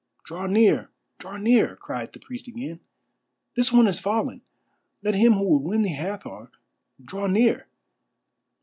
"Draw near! Draw near!" cried the priest again. "This one is fallen. Let him who would win the Hathor draw near!"